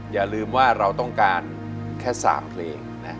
อย่าลืมว่าเราต้องการแค่๓เพลง